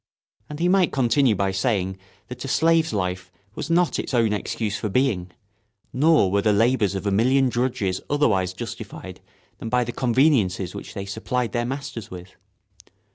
And he might continue by saying that a slave's life was not its own excuse for being, nor were the labours of a million drudges otherwise justified than by the conveniences which they supplied their masters with.